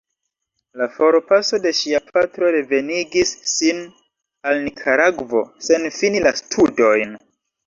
La forpaso de ŝia patro revenigis sin al Nikaragvo sen fini la studojn.